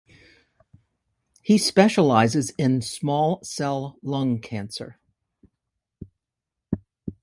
He specialises in small cell lung cancer.